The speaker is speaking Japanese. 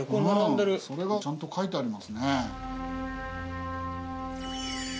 それがちゃんと描いてありますね。